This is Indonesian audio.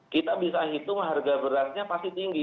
kita bisa hitung harga berasnya pasti tinggi